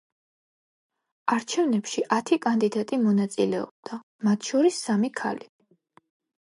არჩვენებში ათი კანდიდატი მონაწილეობდა, მათ შორის სამი ქალი.